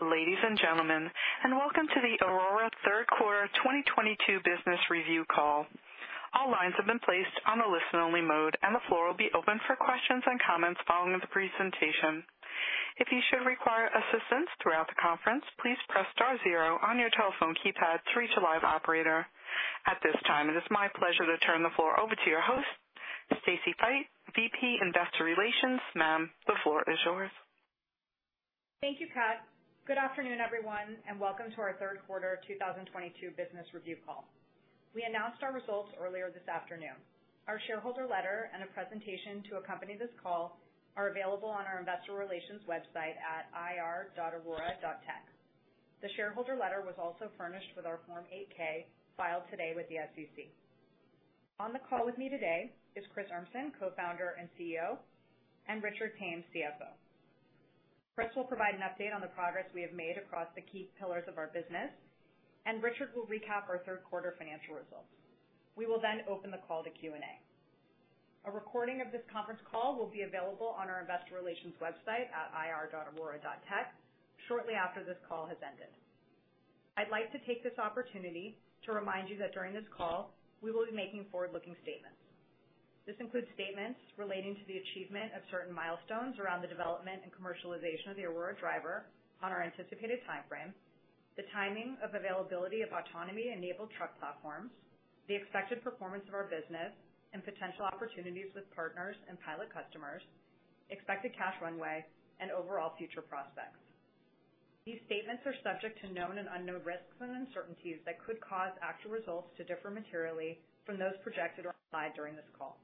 day, ladies and gentlemen, and welcome to the Aurora third quarter 2022 business review call. All lines have been placed on a listen-only mode, and the floor will be open for questions and comments following the presentation. If you should require assistance throughout the conference, please press star zero on your telephone keypad to reach a live operator. At this time, it is my pleasure to turn the floor over to your host, Stacy Feit, VP Investor Relations. Ma'am, the floor is yours. Thank you, Kat. Good afternoon, everyone, and welcome to our third quarter 2022 business review call. We announced our results earlier this afternoon. Our shareholder letter and a presentation to accompany this call are available on our investor relations website at ir.aurora.tech. The shareholder letter was also furnished with our Form 8-K filed today with the SEC. On the call with me today is Chris Urmson, Co-founder and CEO, and Richard Tame, CFO. Chris will provide an update on the progress we have made across the key pillars of our business, and Richard will recap our third quarter financial results. We will then open the call to Q&A. A recording of this conference call will be available on our investor relations website at ir.aurora.tech shortly after this call has ended. I'd like to take this opportunity to remind you that during this call, we will be making forward-looking statements. This includes statements relating to the achievement of certain milestones around the development and commercialization of the Aurora Driver on our anticipated timeframe, the timing of availability of autonomy-enabled truck platforms, the expected performance of our business, and potential opportunities with partners and pilot customers, expected cash runway, and overall future prospects. These statements are subject to known and unknown risks and uncertainties that could cause actual results to differ materially from those projected or implied during this call.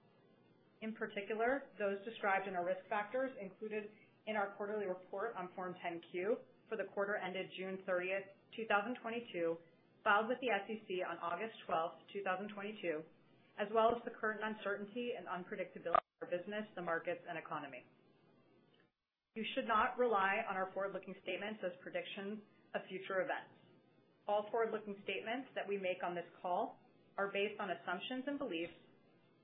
In particular, those described in our risk factors included in our quarterly report on Form 10-Q for the quarter ended June 30th, 2022, filed with the SEC on August 12, 2022, as well as the current uncertainty and unpredictability of our business, the markets, and economy. You should not rely on our forward-looking statements as predictions of future events. All forward-looking statements that we make on this call are based on assumptions and beliefs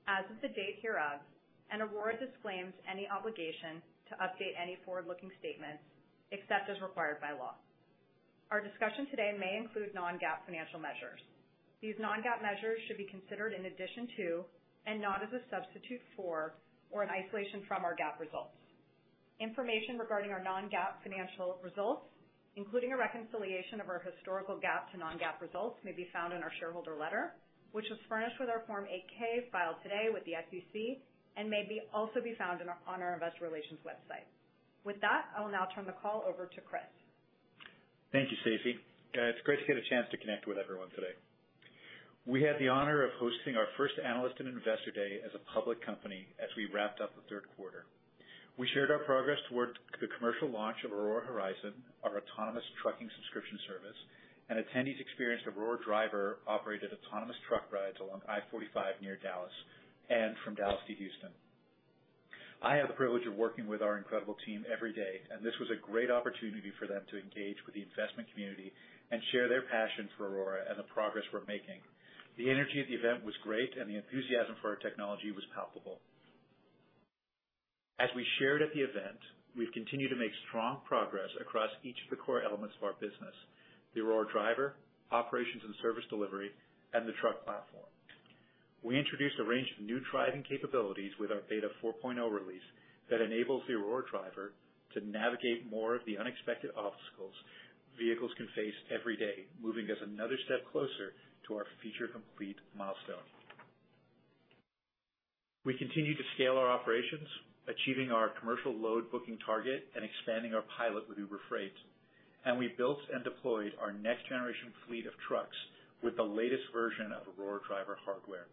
as of the date hereof, and Aurora disclaims any obligation to update any forward-looking statements except as required by law. Our discussion today may include non-GAAP financial measures. These non-GAAP measures should be considered in addition to and not as a substitute for or in isolation from our GAAP results. Information regarding our non-GAAP financial results, including a reconciliation of our historical GAAP to non-GAAP results, may be found in our shareholder letter, which was furnished with our Form 8-K filed today with the SEC and may also be found on our investor relations website. With that, I will now turn the call over to Chris. Thank you, Stacy. It's great to get a chance to connect with everyone today. We had the honor of hosting our first Analyst and Investor Day as a public company as we wrapped up the third quarter. We shared our progress towards the commercial launch of Aurora Horizon, our autonomous trucking subscription service, and attendees experienced Aurora Driver-operated autonomous truck rides along I-45 near Dallas and from Dallas to Houston. I have the privilege of working with our incredible team every day, and this was a great opportunity for them to engage with the investment community, and share their passion for Aurora and the progress we're making. The energy of the event was great, and the enthusiasm for our technology was palpable. As we shared at the event, we've continued to make strong progress across each of the core elements of our business, the Aurora Driver, operations and service delivery, and the truck platform. We introduced a range of new driving capabilities with our Aurora Driver Beta 4.0 release that enables the Aurora Driver to navigate more of the unexpected obstacles vehicles can face every day, moving us another step closer to our feature complete milestone. We continue to scale our operations, achieving our commercial load booking target, and expanding our pilot with Uber Freight, and we built and deployed our next generation fleet of trucks with the latest version of Aurora Driver hardware.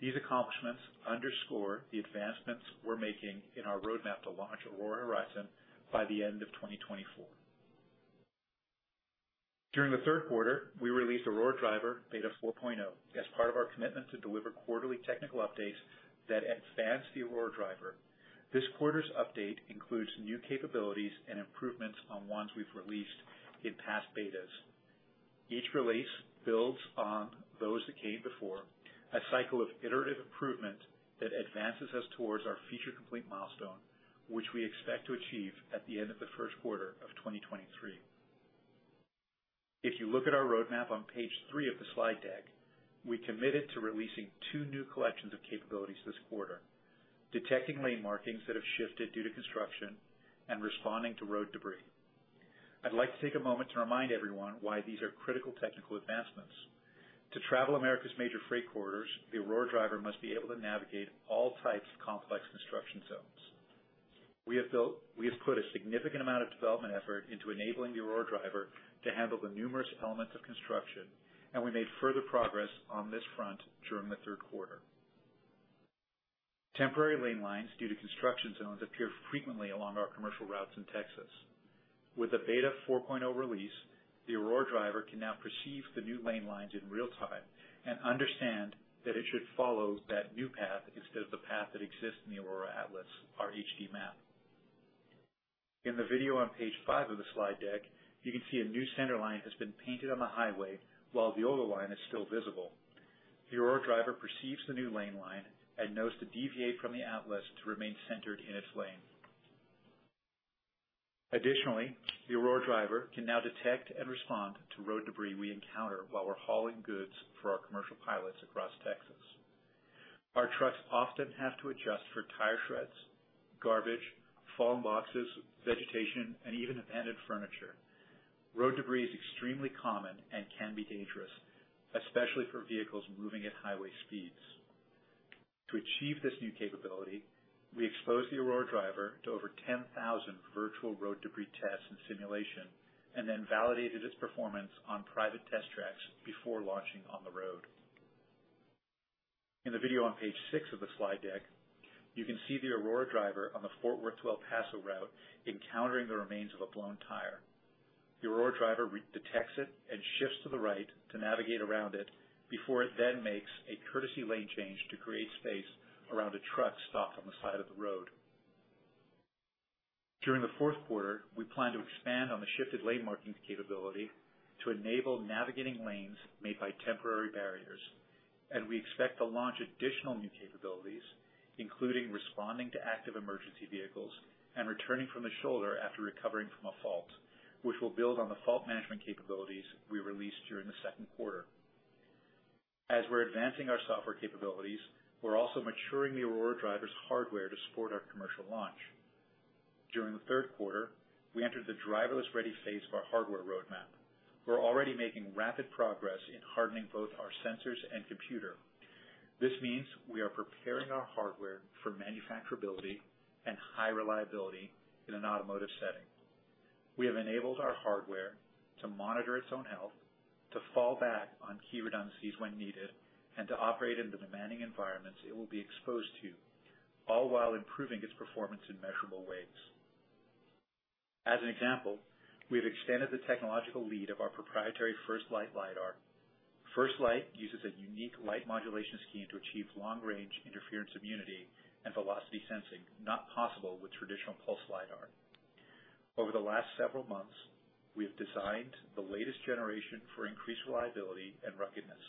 These accomplishments underscore the advancements we're making in our roadmap to launch Aurora Horizon by the end of 2024. During the third quarter, we released Aurora Driver Beta 4.0 as part of our commitment to deliver quarterly technical updates that advance the Aurora Driver. This quarter's update includes new capabilities and improvements on ones we've released in past betas. Each release builds on those that came before, a cycle of iterative improvement that advances us towards our feature complete milestone, which we expect to achieve at the end of the first quarter of 2023. If you look at our roadmap on page three of the slide deck, we committed to releasing two new collections of capabilities this quarter, detecting lane markings that have shifted due to construction, and responding to road debris. I'd like to take a moment to remind everyone why these are critical technical advancements. To travel America's major freight corridors, the Aurora Driver must be able to navigate all types of complex construction zones. We have put a significant amount of development effort into enabling the Aurora Driver to handle the numerous elements of construction, and we made further progress on this front during the third quarter. Temporary lane lines due to construction zones appear frequently along our commercial routes in Texas. With the Beta 4.0 release, the Aurora Driver can now perceive the new lane lines in real time, and understand that it should follow that new path instead of the path that exists in the Aurora Atlas, our HD map. In the video on page five of the slide deck, you can see a new center line has been painted on the highway while the older line is still visible. The Aurora Driver perceives the new lane line, and knows to deviate from the Atlas to remain centered in its lane. Additionally, the Aurora Driver can now detect and respond to road debris we encounter while we're hauling goods for our commercial pilots across Texas. Our trucks often have to adjust for tire shreds, garbage, fallen boxes, vegetation, and even abandoned furniture. Road debris is extremely common and can be dangerous, especially for vehicles moving at highway speeds. To achieve this new capability, we exposed the Aurora Driver to over 10,000 virtual road debris tests and simulation, and then validated its performance on private test tracks before launching on the road. In the video on page six of the slide deck, you can see the Aurora Driver on the Fort Worth to El Paso route encountering the remains of a blown tire. The Aurora Driver re-detects it, and shifts to the right to navigate around it before it then makes a courtesy lane change to create space around a truck stopped on the side of the road. During the fourth quarter, we plan to expand on the shifted lane markings capability to enable navigating lanes made by temporary barriers. We expect to launch additional new capabilities, including responding to active emergency vehicles and returning from the shoulder after recovering from a fault, which will build on the fault management capabilities we released during the second quarter. As we're advancing our software capabilities, we're also maturing the Aurora Driver's hardware to support our commercial launch. During the third quarter, we entered the driverless-ready phase of our hardware roadmap. We're already making rapid progress in hardening both our sensors and computer. This means we are preparing our hardware for manufacturability and high reliability in an automotive setting. We have enabled our hardware to monitor its own health, to fall back on key redundancies when needed, and to operate in the demanding environments it will be exposed to, all while improving its performance in measurable ways. As an example, we have extended the technological lead of our proprietary FirstLight lidar. FirstLight uses a unique light modulation scheme to achieve long-range interference immunity and velocity sensing not possible with traditional pulse lidar. Over the last several months, we have designed the latest generation for increased reliability and ruggedness.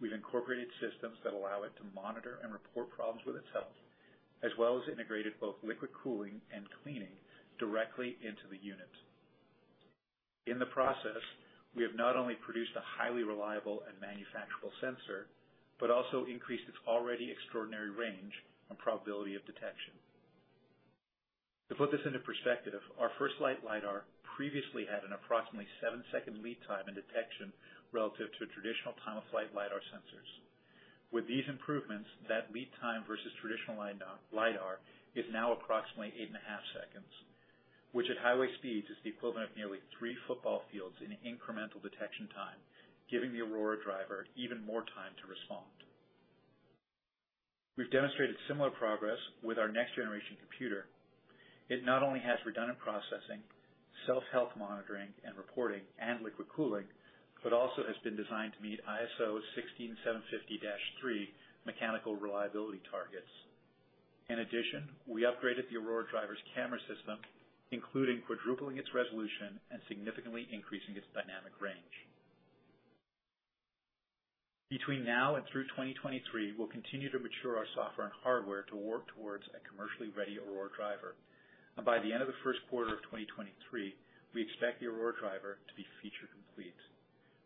We've incorporated systems that allow it to monitor and report problems with its health, as well as integrated both liquid cooling and cleaning directly into the unit. In the process, we have not only produced a highly reliable and manufacturable sensor, but also increased its already extraordinary range and probability of detection. To put this into perspective, our FirstLight lidar previously had an approximately 7-second lead time in detection relative to traditional time-of-flight lidar sensors. With these improvements, that lead time versus traditional lidar is now approximately 8.5 seconds, which at highway speeds is the equivalent of nearly three football fields in incremental detection time, giving the Aurora Driver even more time to respond. We've demonstrated similar progress with our next-generation computer. It not only has redundant processing, self-health monitoring and reporting, and liquid cooling, but also has been designed to meet ISO 16750-3 mechanical reliability targets. In addition, we upgraded the Aurora Driver's camera system, including quadrupling its resolution and significantly increasing its dynamic range. Between now and through 2023, we'll continue to mature our software and hardware to work towards a commercially ready Aurora Driver. By the end of the first quarter of 2023, we expect the Aurora Driver to be feature-complete,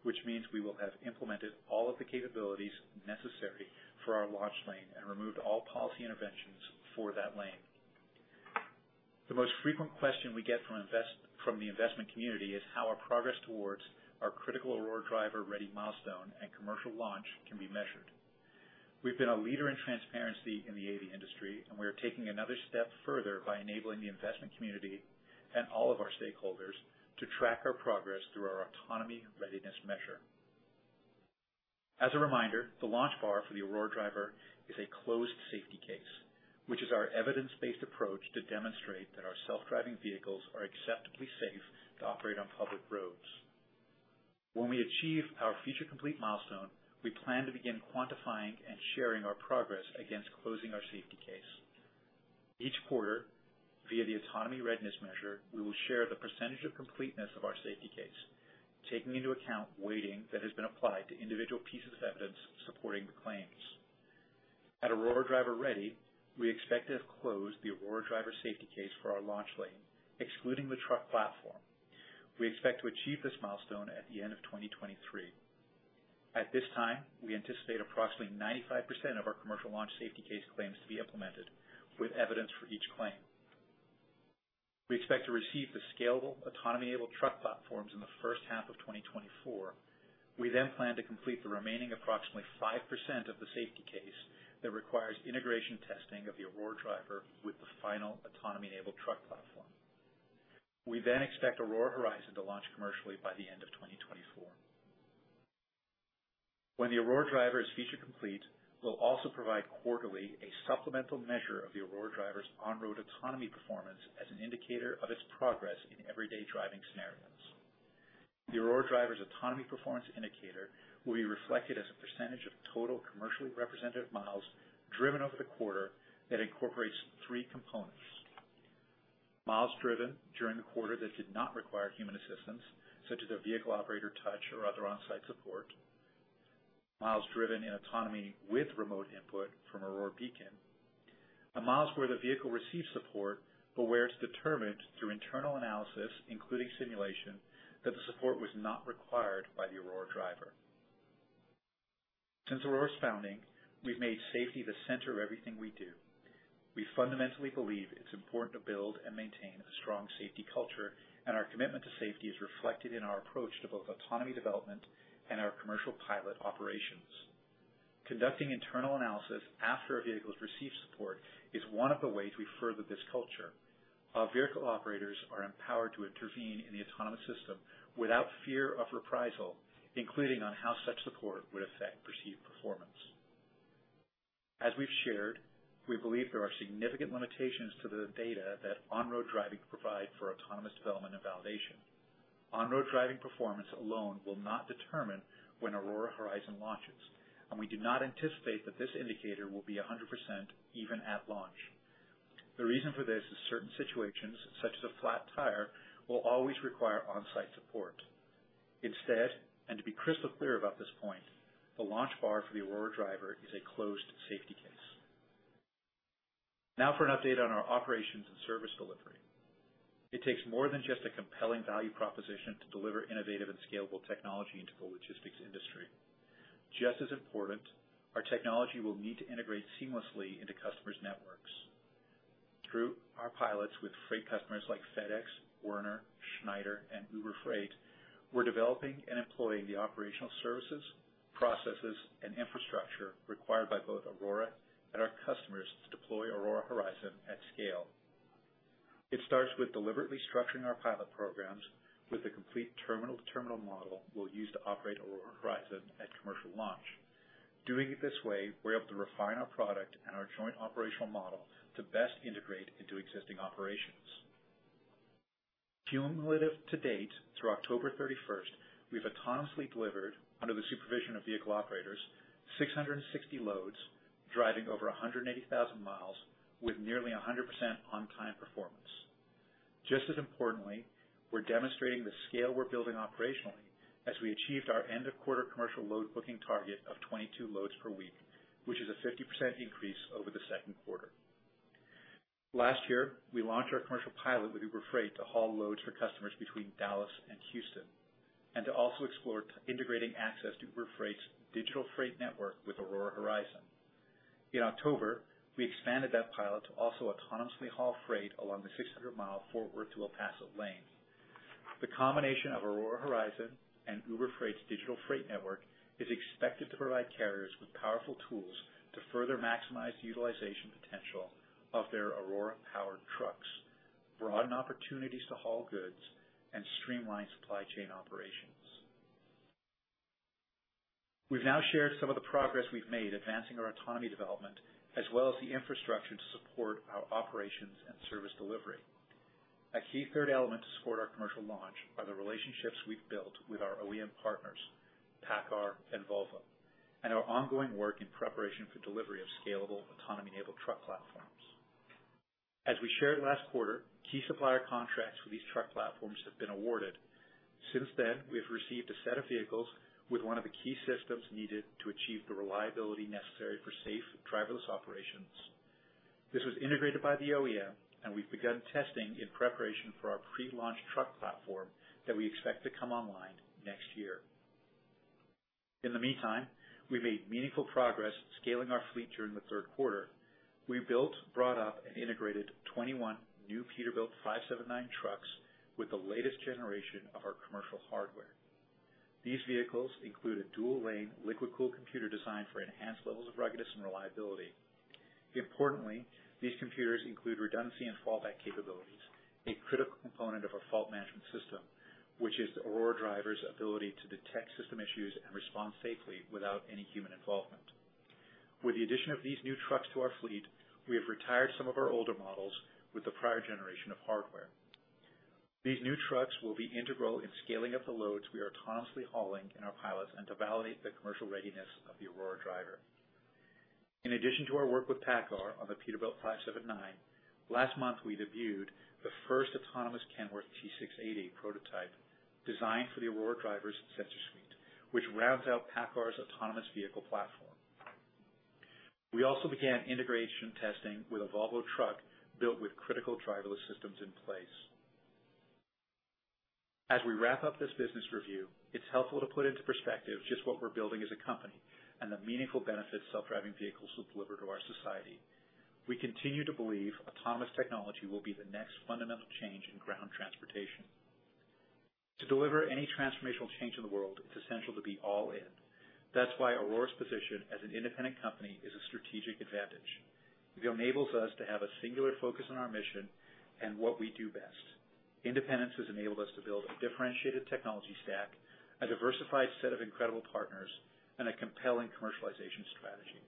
which means we will have implemented all of the capabilities necessary for our launch lane, and removed all policy interventions for that lane. The most frequent question we get from the investment community is how our progress towards our critical Aurora Driver-ready milestone and commercial launch can be measured. We've been a leader in transparency in the AV industry, and we are taking another step further by enabling the investment community and all of our stakeholders to track our progress through our Autonomy Readiness Measure. As a reminder, the launch bar for the Aurora Driver is a closed Safety Case, which is our evidence-based approach to demonstrate that our self-driving vehicles are acceptably safe to operate on public roads. When we achieve our feature-complete milestone, we plan to begin quantifying and sharing our progress against closing our Safety Case. Each quarter, via the Autonomy Readiness Measure, we will share the percentage of completeness of our Safety Case, taking into account weighting that has been applied to individual pieces of evidence supporting the claims. At Aurora Driver Ready, we expect to have closed the Aurora Driver Safety Case for our launch lane, excluding the truck platform. We expect to achieve this milestone at the end of 2023. At this time, we anticipate approximately 95% of our commercial launch Safety Case claims to be implemented with evidence for each claim. We expect to receive the scalable autonomy-enabled truck platforms in the first half of 2024. We then plan to complete the remaining approximately 5% of the Safety Case that requires integration testing of the Aurora Driver with the final autonomy-enabled truck platform. We then expect Aurora Horizon to launch commercially by the end of 2024. When the Aurora Driver is feature-complete, we'll also provide quarterly a supplemental measure of the Aurora Driver's on-road autonomy performance as an indicator of its progress in everyday driving scenarios. The Aurora Driver's Autonomy Performance Indicator will be reflected as a percentage of total commercially representative miles driven over the quarter that incorporates three components. Miles driven during the quarter that did not require human assistance, such as a vehicle operator touch or other on-site support. Miles driven in autonomy with remote input from Aurora Beacon. Miles where the vehicle received support, but where it's determined through internal analysis, including simulation, that the support was not required by the Aurora Driver. Since Aurora's founding, we've made safety the center of everything we do. We fundamentally believe it's important to build and maintain a strong safety culture, and our commitment to safety is reflected in our approach to both autonomy development and our commercial pilot operations. Conducting internal analysis after a vehicle has received support is one of the ways we further this culture. Our vehicle operators are empowered to intervene in the autonomous system without fear of reprisal, including on how such support would affect perceived performance. As we've shared, we believe there are significant limitations to the data that on-road driving can provide for autonomous development and validation. On-road driving performance alone will not determine when Aurora Horizon launches, and we do not anticipate that this indicator will be 100% even at launch. The reason for this is certain situations, such as a flat tire, will always require on-site support. Instead, and to be crystal clear about this point, the launch bar for the Aurora Driver is a closed Safety Case. Now for an update on our operations and service delivery. It takes more than just a compelling value proposition to deliver innovative and scalable technology into the logistics industry. Just as important, our technology will need to integrate seamlessly into customers' networks. Through our pilots with freight customers like FedEx, Werner, Schneider, and Uber Freight, we're developing and employing the operational services, processes, and infrastructure required by both Aurora and our customers to deploy Aurora Horizon at scale. It starts with deliberately structuring our pilot programs with the complete terminal-to-terminal model we'll use to operate Aurora Horizon at commercial launch. Doing it this way, we're able to refine our product and our joint operational model to best integrate into existing operations. Cumulative to date, through October 31st, we've autonomously delivered, under the supervision of vehicle operators, 660 loads, driving over 180,000 mi with nearly 100% on-time performance. Just as importantly, we're demonstrating the scale we're building operationally as we achieved our end-of-quarter commercial load booking target of 22 loads per week, which is a 50% increase over the second quarter. Last year, we launched our commercial pilot with Uber Freight to haul loads for customers between Dallas and Houston, and to also explore integrating access to Uber Freight's digital freight network with Aurora Horizon. In October, we expanded that pilot to also autonomously haul freight along the 600-mi Fort Worth to El Paso lane. The combination of Aurora Horizon and Uber Freight's digital freight network is expected to provide carriers with powerful tools to further maximize the utilization potential of their Aurora-powered trucks, broaden opportunities to haul goods, and streamline supply chain operations. We've now shared some of the progress we've made advancing our autonomy development, as well as the infrastructure to support our operations and service delivery. A key third element to support our commercial launch are the relationships we've built with our OEM partners, PACCAR and Volvo, and our ongoing work in preparation for delivery of scalable autonomy-enabled truck platforms. As we shared last quarter, key supplier contracts for these truck platforms have been awarded. Since then, we have received a set of vehicles with one of the key systems needed to achieve the reliability necessary for safe driverless operations. This was integrated by the OEM, and we've begun testing in preparation for our pre-launch truck platform that we expect to come online next year. In the meantime, we've made meaningful progress scaling our fleet during the third quarter. We built, brought up, and integrated 21 new Peterbilt 579 trucks with the latest generation of our commercial hardware. These vehicles include a dual-lane liquid-cooled computer design for enhanced levels of ruggedness and reliability. Importantly, these computers include redundancy and fallback capabilities, a critical component of our fault management system, which is the Aurora Driver's ability to detect system issues and respond safely without any human involvement. With the addition of these new trucks to our fleet, we have retired some of our older models with the prior generation of hardware. These new trucks will be integral in scaling up the loads we are autonomously hauling in our pilots and to validate the commercial readiness of the Aurora Driver. In addition to our work with PACCAR on the Peterbilt 579, last month we debuted the first autonomous Kenworth T680 prototype designed for the Aurora Driver's sensor suite, which rounds out PACCAR's autonomous vehicle platform. We also began integration testing with a Volvo truck built with critical driverless systems in place. As we wrap up this business review, it's helpful to put into perspective just what we're building as a company and the meaningful benefits self-driving vehicles will deliver to our society. We continue to believe autonomous technology will be the next fundamental change in ground transportation. To deliver any transformational change in the world, it's essential to be all in. That's why Aurora's position as an independent company is a strategic advantage. It enables us to have a singular focus on our mission and what we do best. Independence has enabled us to build a differentiated technology stack, a diversified set of incredible partners, and a compelling commercialization strategy.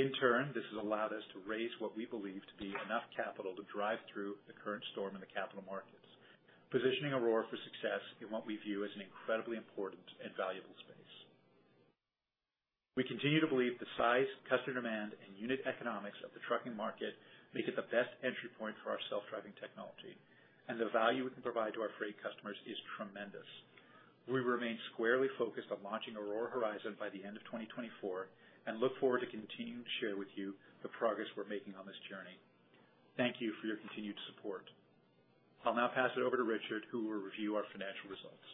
In turn, this has allowed us to raise what we believe to be enough capital to drive through the current storm in the capital markets, positioning Aurora for success in what we view as an incredibly important and valuable space. We continue to believe the size, customer demand, and unit economics of the trucking market make it the best entry point for our self-driving technology, and the value we can provide to our freight customers is tremendous. We remain squarely focused on launching Aurora Horizon by the end of 2024, and look forward to continuing to share with you the progress we're making on this journey. Thank you for your continued support. I'll now pass it over to Richard, who will review our financial results.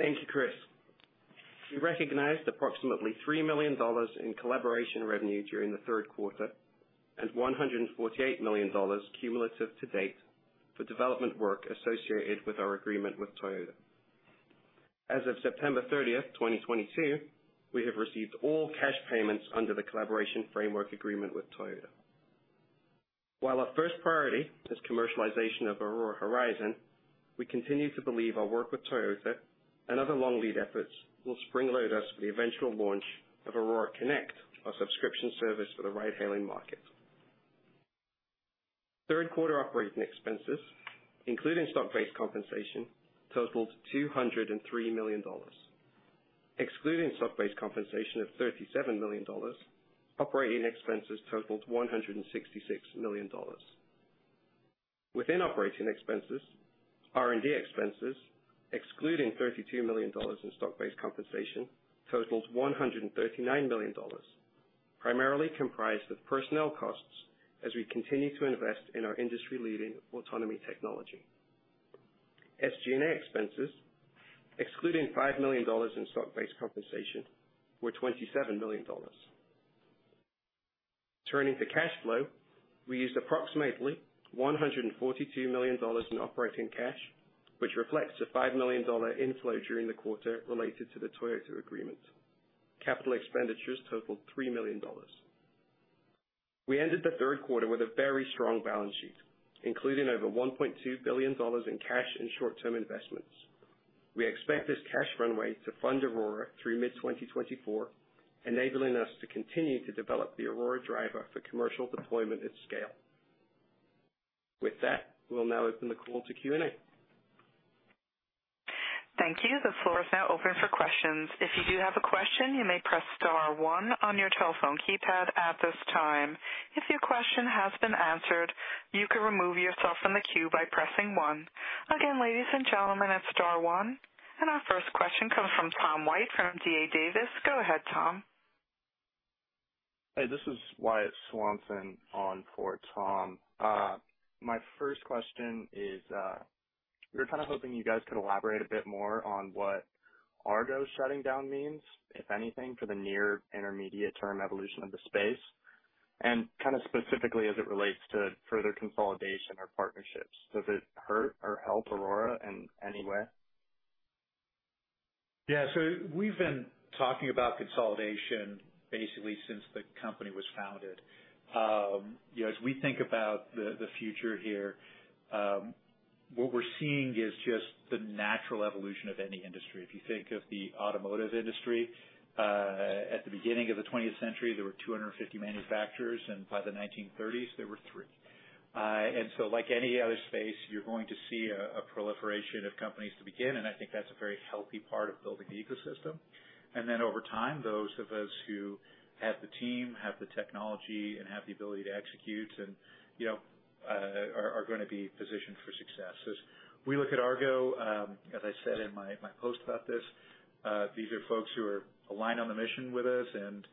Thank you, Chris. We recognized approximately $3 million in collaboration revenue during the third quarter, and $148 million cumulative to date for development work associated with our agreement with Toyota. As of September 30th, 2022, we have received all cash payments under the collaboration framework agreement with Toyota. While our first priority is commercialization of Aurora Horizon, we continue to believe our work with Toyota, and other long lead efforts will springload us for the eventual launch of Aurora Connect, our subscription service for the ride-hailing market. Third quarter operating expenses, including stock-based compensation, totaled $203 million. Excluding stock-based compensation of $37 million, operating expenses totaled $166 million. Within operating expenses, R&D expenses, excluding $32 million in stock-based compensation, totaled $139 million, primarily comprised of personnel costs as we continue to invest in our industry-leading autonomy technology. SG&A expenses, excluding $5 million in stock-based compensation, were $27 million. Turning to cash flow, we used approximately $142 million in operating cash, which reflects the $5 million inflow during the quarter related to the Toyota agreement. Capital expenditures totaled $3 million. We ended the third quarter with a very strong balance sheet, including over $1.2 billion in cash and short-term investments. We expect this cash runway to fund Aurora through mid-2024, enabling us to continue to develop the Aurora Driver for commercial deployment at scale. With that, we'll now open the call to Q&A. Thank you. The floor is now open for questions. If you do have a question, you may press star one on your telephone keypad at this time. If your question has been answered, you can remove yourself from the queue by pressing one. Again, ladies and gentlemen, it's star one. Our first question comes from Tom White from D.A. Davidson. Go ahead, Tom. Hey, this is Wyatt Swanson on for Tom. My first question is, we were kind of hoping you guys could elaborate a bit more on what Argo shutting down mean. If anything, for the near intermediate-term evolution of the space, and kind of specifically as it relates to further consolidation or partnerships. Does it hurt or help Aurora in any way? Yeah. We've been talking about consolidation basically since the company was founded. As we think about the future here, what we're seeing is just the natural evolution of any industry. If you think of the automotive industry, at the beginning of the 20th century, there were 250 manufacturers, and by the 1930s, there were three. Like any other space, you're going to see a proliferation of companies to begin, and I think that's a very healthy part of building the ecosystem. Over time, those of us who have the team, have the technology, and have the ability to execute, and are gonna be positioned for success. As we look at Argo, as I said in my post about this, these are folks who are aligned on the mission with us, and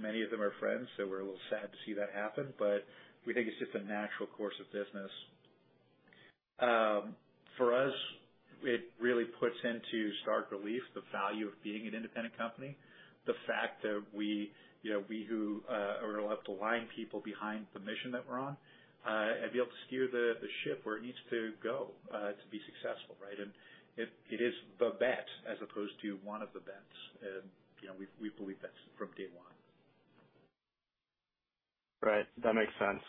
many of them are friends, so we're a little sad to see that happen, but we think it's just the natural course of business. For us, it really puts into stark relief the value of being an independent company. The fact that we are able to have aligned people behind the mission that we're on, and be able to steer the ship where it needs to go to be successful, right? It is the bet as opposed to one of the bets. We believe that's from day one. Right. That makes sense.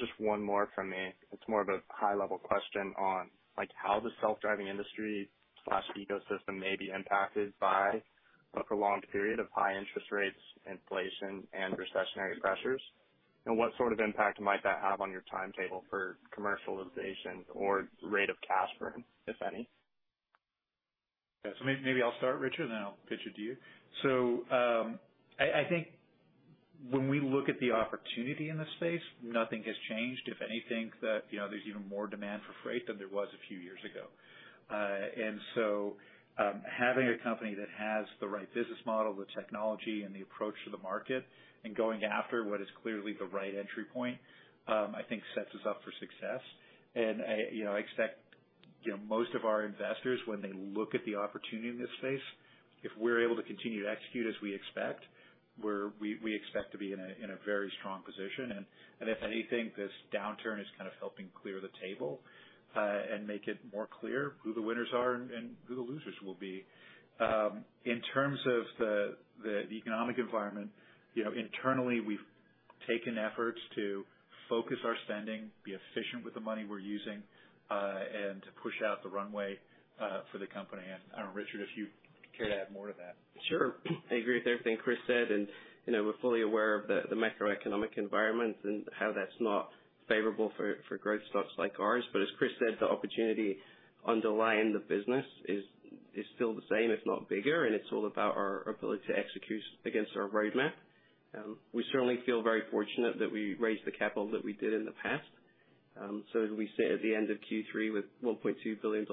Just one more from me. It's more of a high-level question on, like, how the self-driving industry/ecosystem may be impacted by a prolonged period of high interest rates, inflation, and recessionary pressures. What sort of impact might that have on your timetable for commercialization or rate of cash burn? If any? Yeah. Maybe I'll start, Richard, and then I'll pitch it to you. I think when we look at the opportunity in this space, nothing has changed. If anything, there's even more demand for freight than there was a few years ago. Having a company that has the right business model, the technology, and the approach to the market, and going after what is clearly the right entry point, I think sets us up for success. I expect most of our investors when they look at the opportunity in this space, if we're able to continue to execute as we expect, we expect to be in a very strong position. If anything, this downturn is kind of helping clear the table, and make it more clear who the winners are, and who the losers will be. In terms of the economic environment, internally we've taken efforts to focus our spending, be efficient with the money we're using, and to push out the runway for the company. I don't know, Richard, if you care to add more to that. Sure. I agree with everything Chris said, and we're fully aware of the macroeconomic environment and how that's not favorable for growth stocks like ours. As Chris said, the opportunity underlying the business is still the same, if not bigger, and it's all about our ability to execute against our roadmap. We certainly feel very fortunate that we raised the capital that we did in the past. As we sit at the end of Q3 with $1.2 billion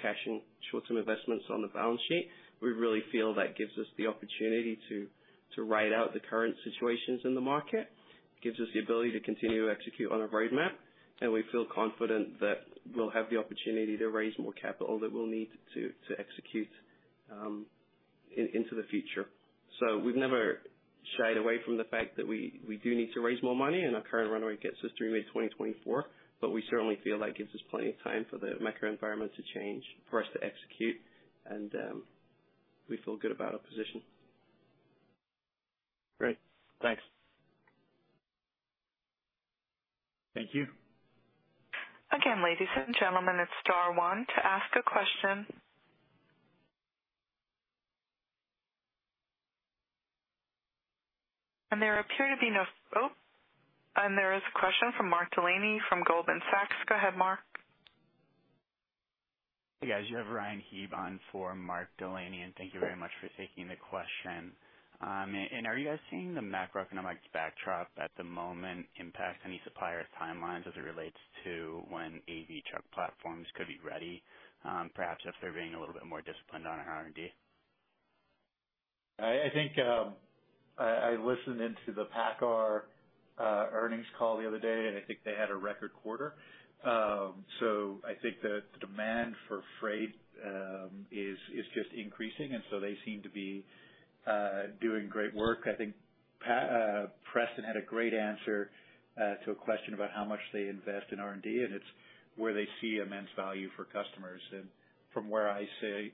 cash and short-term investments on the balance sheet, we really feel that gives us the opportunity to ride out the current situations in the market. Gives us the ability to continue to execute on our roadmap, and we feel confident that we'll have the opportunity to raise more capital that we'll need to execute into the future. We've never shied away from the fact that we do need to raise more money and our current runway gets us through May 2024, but we certainly feel that gives us plenty of time for the macro environment to change, for us to execute, and we feel good about our position. Great. Thanks. Thank you. Again, ladies and gentlemen, it's star one to ask a question. There is a question from Mark Delaney from Goldman Sachs. Go ahead, Mark. Hey, guys. You have Ryan Heeb on for Mark Delaney, and thank you very much for taking the question. Are you guys seeing the macroeconomics backdrop at the moment impact any suppliers' timelines as it relates to when AV truck platforms could be ready, perhaps if they're being a little bit more disciplined on R&D? I think I listened into the PACCAR earnings call the other day, and I think they had a record quarter. I think the demand for freight is just increasing, and they seem to be doing great work. I think Preston had a great answer to a question about how much they invest in R&D, and it's where they see immense value for customers. From where I sit,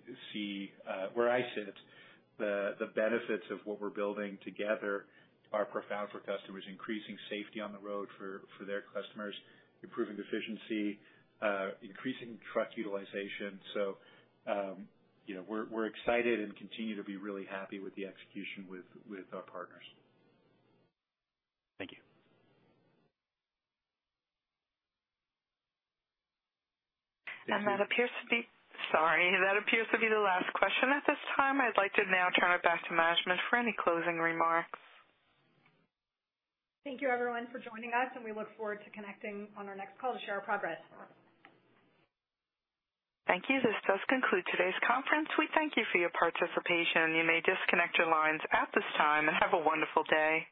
the benefits of what we're building together are profound for customers. Increasing safety on the road for their customers, improving efficiency, increasing truck utilization. We're excited and continue to be really happy with the execution with our partners. Thank you. That appears to be the last question at this time. I'd like to now turn it back to management for any closing remarks. Thank you, everyone, for joining us, and we look forward to connecting on our next call to share our progress. Thank you. This does conclude today's conference. We thank you for your participation. You may disconnect your lines at this time, and have a wonderful day.